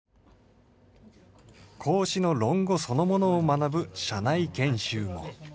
孔子の「論語」そのものを学ぶ社内研修も。